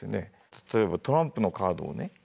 例えばトランプのカードをね